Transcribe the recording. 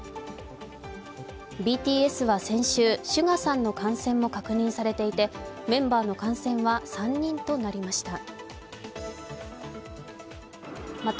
ＢＴＳは先週、ＳＵＧＡさんの感染も確認されていてメンバーの感染は３人となりました